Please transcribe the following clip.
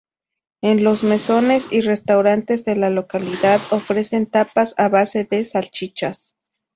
En los mesones y restaurantes de la localidad ofrecen tapas a base de salchichas.